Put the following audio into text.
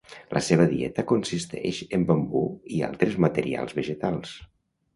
La seva dieta consisteix en bambú i altres materials vegetals.